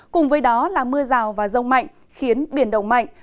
cùng với đó là mưa rào và rông mạnh khiến biển động mạnh